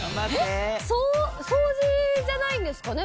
掃除じゃないんですかね？